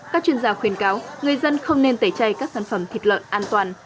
các chuyên gia khuyên cáo người dân không nên tẩy chay các sản phẩm thịt lợn an toàn